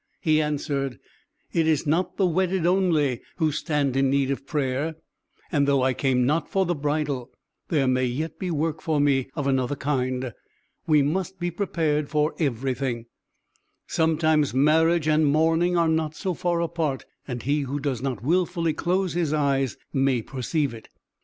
He answered, "It is not the wedded only who stand in need of prayer, and though I came not for the bridal, there may yet be work for me of another kind. We must be prepared for everything. Sometimes marriage and mourning are not so far apart; and he who does not wilfully close his eyes may perceive it."